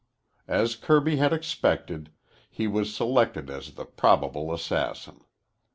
As Kirby had expected, he was selected as the probable assassin.